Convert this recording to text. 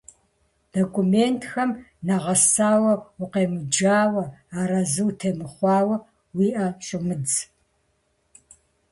Документхэм нэгъэсауэ укъемыджауэ, арэзы утемыхъуауэ, уи ӏэ щӏумыдз.